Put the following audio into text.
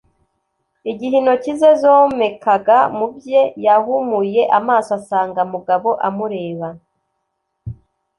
Igihe intoki ze zomekaga mu bye, yahumuye amaso asanga Mugabo amureba.